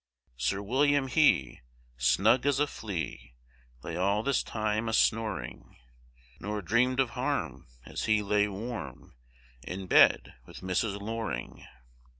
Sir William he, snug as a flea, Lay all this time a snoring; Nor dream'd of harm as he lay warm In bed with Mrs. Loring.